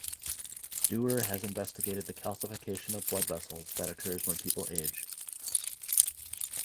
Duer has investigated the calcification of blood vessels that occurs when people age.